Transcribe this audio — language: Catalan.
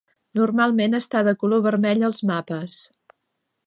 Normalment està de color vermell als mapes.